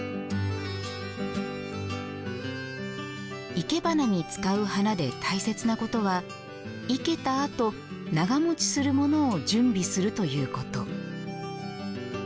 いけばなに使う花で大切なことは生けたあと、長もちするものを準備するということ。